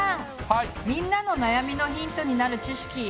みんなの悩みのヒントになる知識何かありますか？